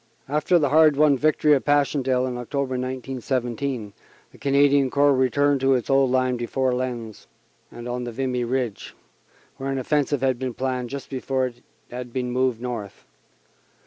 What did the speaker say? After the hard won victory of Passchendaele in October, 1917, the Canadian Corps returned to its old line before Lens and on Vimy Ridge, where an offensive had been planned just before it had been moved north.